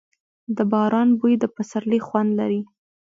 د باران بوی د پسرلي خوند لري.